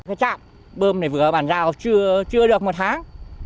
cái trạm bơm này vừa bàn rào chưa được một tháng